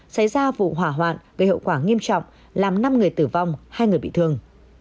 xảy ra vụ hỏa hoạn gây hậu quả nghiêm trọng làm năm người tử vong hai người bị thương